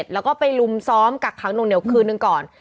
แล้วก็ไปลุมซ้อมกักครั้งหนึ่งเดี๋ยวคืนนึงก่อน